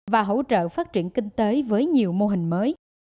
và hỗ trợ phát triển kinh tế với nhiều mô hình mới